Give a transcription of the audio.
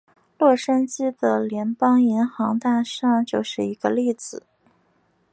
洛杉矶的联邦银行大厦就是一个例子。